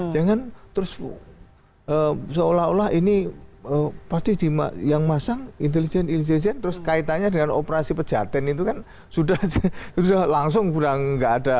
jangan terus seolah olah ini pasti yang masang intelijen intelijen terus kaitannya dengan operasi pejaten itu kan sudah langsung kurang nggak ada